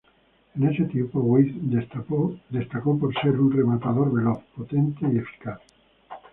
En ese tiempo Weah destacó por ser un rematador veloz, potente y eficaz.